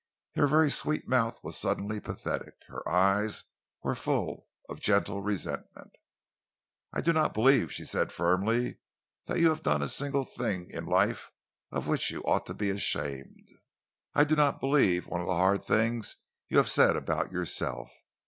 Her very sweet mouth was suddenly pathetic, her eyes were full of gentle resentment. "I do not believe," she said firmly, "that you have done a single thing in life of which you ought to be ashamed. I do not believe one of the hard things you have said about yourself.